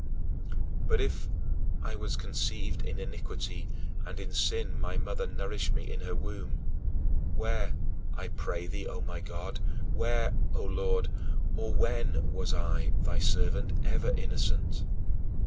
But if "I was conceived in iniquity, and in sin my mother nourished me in her womb," where, I pray thee, O my God, where, O Lord, or when was I, thy servant, ever innocent?